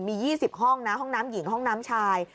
มี๒๐ห้องนะห้องน้ำหญิงห้องน้ำชาย